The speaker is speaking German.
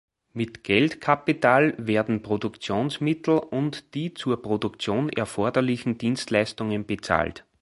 Mit Geldkapital werden Produktionsmittel und die zur Produktion erforderlichen Dienstleistungen bezahlt.